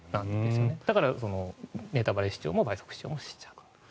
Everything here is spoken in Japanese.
だからネタバレ視聴も倍速視聴もしちゃうと。